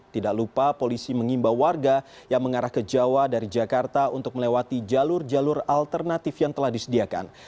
tidak lupa polisi mengimbau warga yang mengarah ke jawa dari jakarta untuk melewati jalur jalur alternatif yang telah disediakan